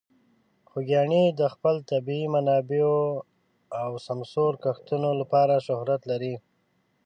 خوږیاڼي د خپلو طبیعي منابعو او سمسور کښتونو لپاره شهرت لري.